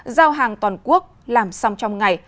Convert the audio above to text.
giao hàng toàn quốc làm xong trong ngày